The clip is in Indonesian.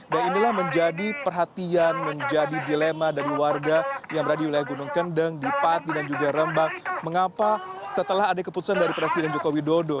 dan inilah menjadi perhatian menjadi dilema dari warga yang berada di wilayah gunung kendang di pati dan juga rembang mengapa setelah ada keputusan dari presiden jokowi dodo